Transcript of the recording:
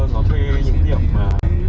nó thuê những tiền mà